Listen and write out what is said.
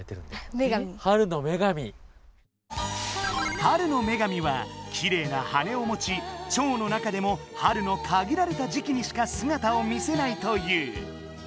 春の女神はきれいな羽を持ちチョウの中でも春のかぎられた時期にしか姿を見せないという。